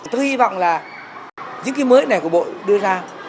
tôi hy vọng là những cái mới này của bộ đưa ra